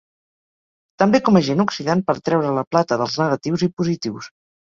També com agent oxidant per treure la plata dels negatius i positius.